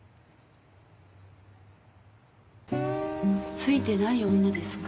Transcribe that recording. ツイてない女ですか。